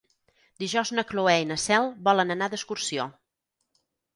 Dijous na Cloè i na Cel volen anar d'excursió.